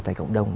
tại cộng đồng